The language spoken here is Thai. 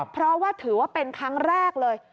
เพราะว่าถือว่าเป็นครั้งแรกเลย